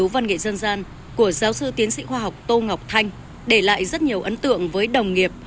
và công nghiệp